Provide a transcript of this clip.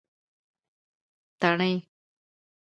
تڼۍ